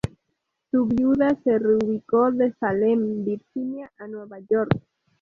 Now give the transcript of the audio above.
Su viuda se reubicó de Salem, Virginia, a Nueva York.